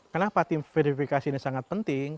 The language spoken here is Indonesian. kenapa tim verifikasi ini sangat penting